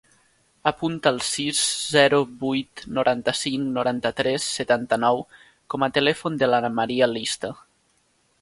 Apunta el sis, zero, vuit, noranta-cinc, noranta-tres, setanta-nou com a telèfon de l'Ana maria Lista.